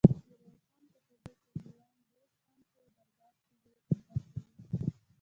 ميرويس خان پوهېده چې دېوان بېګ هم په دربار کې لوی قدرت لري.